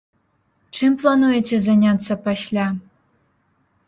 Чым плануеце заняцца пасля?